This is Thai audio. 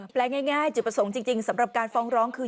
ลงง่ายจุดประสงค์จริงสำหรับการฟ้องร้องคือ